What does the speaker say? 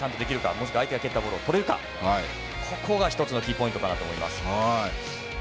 もしくは相手が蹴ったボールを捕れるか、ここが１つのキーポイントかと思います。